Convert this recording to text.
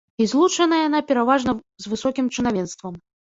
І злучаная яна пераважна з высокім чынавенствам.